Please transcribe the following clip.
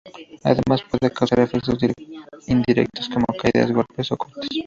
Además puede causar efectos indirectos como caídas, golpes o cortes.